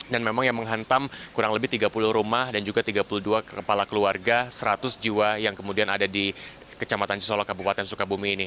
memang yang menghantam kurang lebih tiga puluh rumah dan juga tiga puluh dua kepala keluarga seratus jiwa yang kemudian ada di kecamatan cisolo kabupaten sukabumi ini